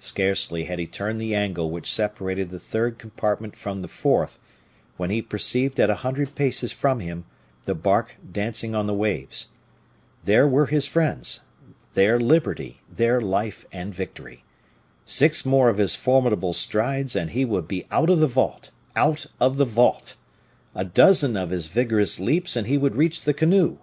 Scarcely had he turned the angle which separated the third compartment from the fourth when he perceived at a hundred paces from him the bark dancing on the waves. There were his friends, there liberty, there life and victory. Six more of his formidable strides, and he would be out of the vault; out of the vault! a dozen of his vigorous leaps and he would reach the canoe.